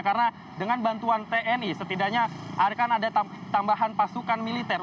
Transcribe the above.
karena dengan bantuan tni setidaknya akan ada tambahan pasukan militer